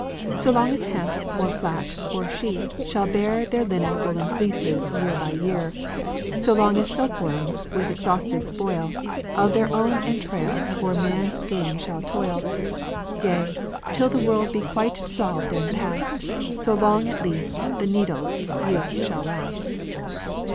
So long as Hemp or Flax or Sheep shall bear Their linnen Woollen fleeces yeare by yeare; So long as silk worms, with exhausted spoile, Of their own entrailes for man's game shall toyle; Yea, till the world be quite dissolved and past, So long at least, the Needles use shall last."